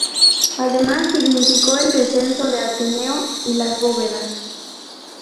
Además significó el descenso de Ateneo y Las Bóvedas.